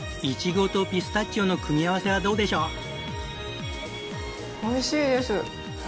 イチゴとピスタチオの組み合わせはどうでしょう？